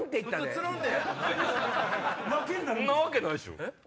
そんなわけないでしょ！